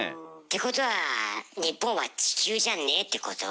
てことは日本は地球じゃねえってこと？